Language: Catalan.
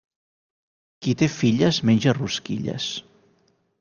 Qui té filles menja rosquilles.